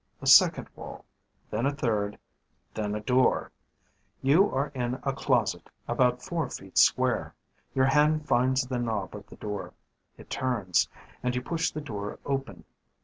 A second wall, then a third, then a door. You are in a closet about four feet square. Your hand finds the knob of the door. It turns and you push the door open.